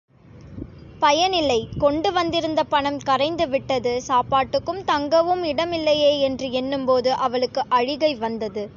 பயனில்லை கொண்டு வந்திருந்த பணம் கரைந்துவிட்டது சாப்பாட்டுக்கும் தங்கவும் இடமில்லையே என்று எண்ணும்போது அவளுக்கு அழிகை வந்தது.